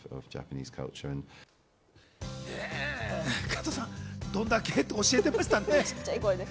加藤さん、どんだけって教えてましたね。